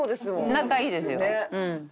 仲いいですよ。